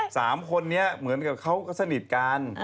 สามคนนี้เหมือนกับเขาก็สนิทกัน